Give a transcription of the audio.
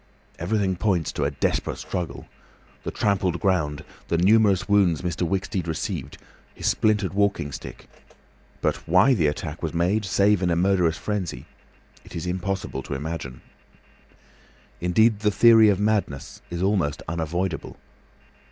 Everything points to a desperate struggle—the trampled ground, the numerous wounds Mr. Wicksteed received, his splintered walking stick; but why the attack was made, save in a murderous frenzy, it is impossible to imagine. Indeed the theory of madness is almost unavoidable.